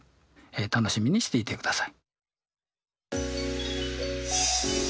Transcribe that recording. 楽しみにしていてください。